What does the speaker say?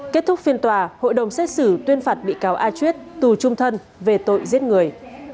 kết thúc phiên tòa hội đồng xét xử tuyên phạt bị cáo a chuyết tù trung thân về tội giết người